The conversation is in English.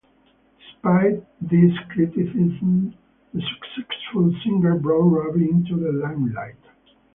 Despite this criticism, the successful single brought Ruby into the limelight.